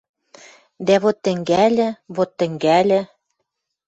Дӓ вот тӹнгӓльӹ, вот тӹнгӓльӹ!..